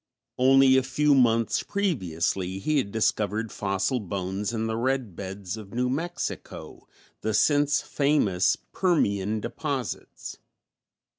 Only a few months previously he had discovered fossil bones in the red beds of New Mexico, the since famous Permian deposits.